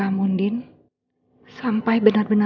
aku dikasih mobil ya